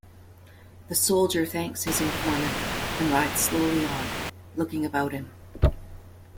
The soldier thanks his informant and rides slowly on, looking about him.